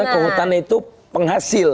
karena kehutanan itu penghasil